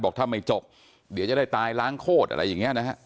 ถ้าไม่จบเดี๋ยวจะได้ตายล้างโคตรอะไรอย่างนี้นะฮะ